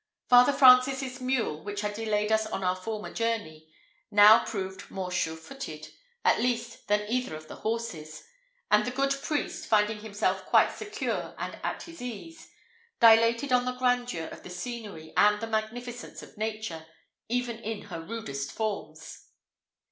Father Francis's mule, which had delayed us on our former journey, now proved more sure footed, at least, than either of the horses; and the good priest, finding himself quite secure and at his ease, dilated on the grandeur of the scenery and the magnificence of nature, even in her rudest forms.